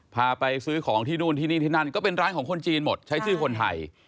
พาไปซื้อของที่นู่นที่นี่ที่นั่นก็เป็นร้านของคนจีนหมดใช้ชื่อคนไทย